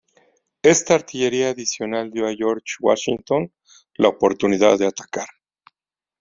Esta artillería adicional dio a George Washington la oportunidad de atacar.